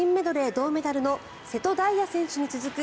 銅メダルの瀬戸大也選手に続く